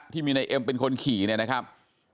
ที่มีนายเอ็มเป็นคนขี่เนี่ยนะครับ